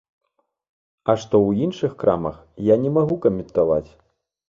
А што ў іншых крамах, я не магу каментаваць.